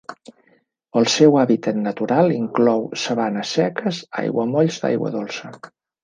El seu hàbitat natural inclou sabanes seques, aiguamolls d'aigua dolça.